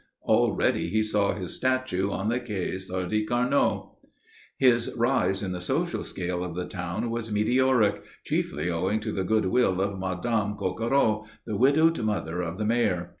Already he saw his statue on the Quai Sadi Carnot. His rise in the social scale of the town was meteoric, chiefly owing to the goodwill of Madame Coquereau, the widowed mother of the Mayor.